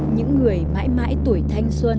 những người mãi mãi tuổi thanh xuân